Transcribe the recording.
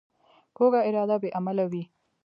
کوږه اراده بې عمله وي